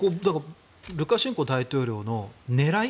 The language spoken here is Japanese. ルカシェンコ大統領の狙い